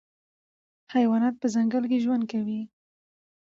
حیوانات په ځنګل کې ژوند کوي.